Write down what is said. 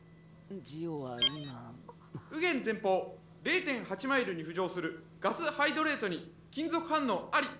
「右舷前方０．８マイルに浮上するガスハイドレートに金属反応あり！」。